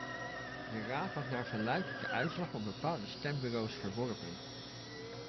De raad had naar verluidt de uitslag van bepaalde stembureaus verworpen.